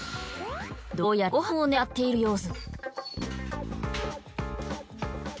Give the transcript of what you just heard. どうやらごはんを狙っている様子。